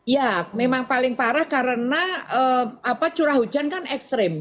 ya memang paling parah karena curah hujan kan ekstrim